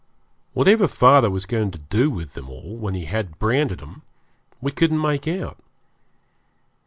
Whatever father was going to do with them all when he had branded 'em, we couldn't make out.